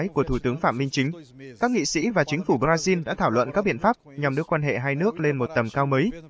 các nghị sĩ và chính phủ brazil đã thảo luận các biện pháp nhằm đưa quan hệ hai nước lên một tầm cao mới